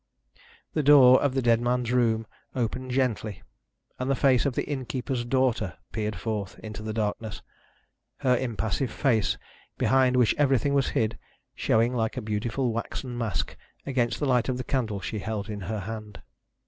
The door of the dead man's room opened gently, and the face of the innkeeper's daughter peered forth into the darkness, her impassive face, behind which everything was hid, showing like a beautiful waxen mask against the light of the candle she held in her hand.